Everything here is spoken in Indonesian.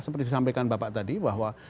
seperti disampaikan bapak tadi bahwa